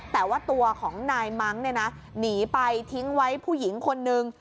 แต่ว่าตัวของนายมังค์หนีไปทิ้งไว้ผู้หญิงคนหนึ่ง